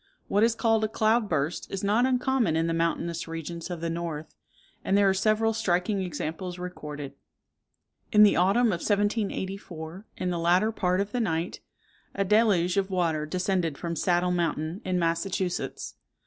What is called a cloud burst is not uncommon in the mountainous regions of the north; and there are several striking examples recorded. In the autumn of 1784, in the latter part of the night, a deluge of water descended from Saddle Mountain, in Massachusetts.